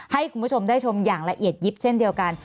ให้คุณผู้ชมได้ชมอย่างละเอียดยิบเช่นเดียวกัน